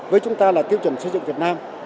với chúng ta là tiêu chuẩn xây dựng việt nam